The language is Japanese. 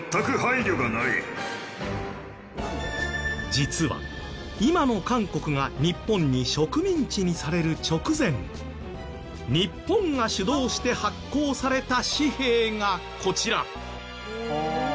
実は今の韓国が日本に植民地にされる直前日本が主導して発行された紙幣がこちら。